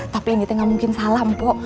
tapi ini teh gak mungkin salah empok